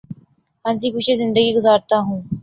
ہنسی خوشی زندگی گزارتا ہوں